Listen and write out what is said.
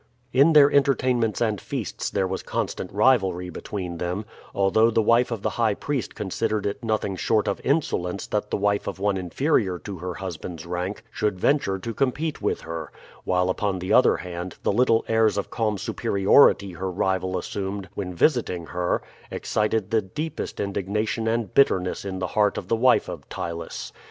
In their entertainments and feasts there was constant rivalry between them, although the wife of the high priest considered it nothing short of insolence that the wife of one inferior to her husband's rank should venture to compete with her; while upon the other hand, the little airs of calm superiority her rival assumed when visiting her excited the deepest indignation and bitterness in the heart of the wife of Ptylus.